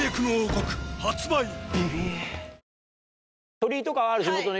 鳥居とかはある？